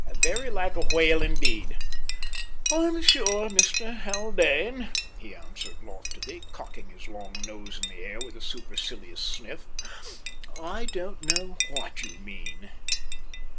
`Very like a whale,' indeed!" "I'm sure, Mr Haldane," he answered loftily, cocking his long nose in the air with a supercilious sniff, "I don't know what ye mean."